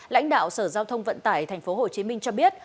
lãnh đạo sở giao thông vận tải tp hcm cho biết